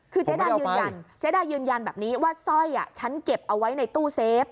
คือเจดายืนยันแบบนี้ว่าสร้อยฉันเก็บเอาไว้ในตู้เซฟ